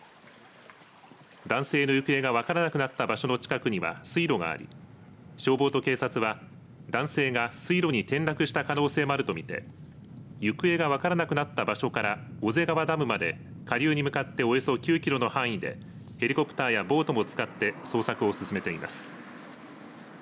男性の行方が分からなくなった橋の近くには水路があり消防と警察は男性が水路に転落した可能性もあると見て行方が分からなくなった場所から小瀬川ダムまで下流に向かっておよそ９キロの範囲でヘリコプターやボートも使って捜索を進めています。